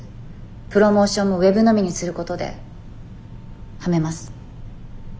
プロモーションもウェブのみにすることではめます。